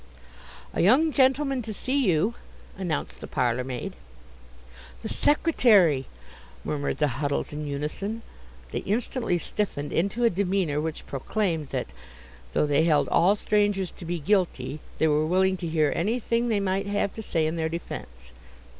"A young gentleman to see you," announced the parlour maid. "The secretary!" murmured the Huddles in unison; they instantly stiffened into a demeanour which proclaimed that, though they held all strangers to be guilty, they were willing to hear anything they might have to say in their defence.